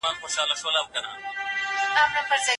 د ميرويس خان نيکه په دربار کي عالمانو څه رول درلود؟